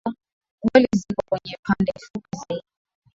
Goli ziko kwenye pande fupi zaidi